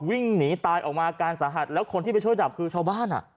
วิ่งหนีตายออกมาการสาหัสแล้วคนที่ไปช่วยดับคือชาวบ้านอ่ะ